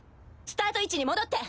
スタート位置に戻って。